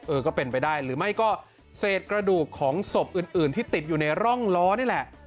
ก็เป็นไปได้หรือไม่ก็เศษกระดูกของศพอื่นที่ติดอยู่ในร่องล้อนี่แหละ